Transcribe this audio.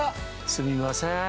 すみません。